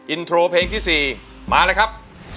อินโทรเพลงที่๔มาเลยครับ